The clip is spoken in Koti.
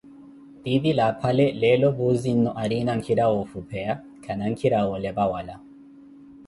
Titile aphale leelo Puuzi-nnu aarina nkhira woofupheya, khana nkhira woolepa wala.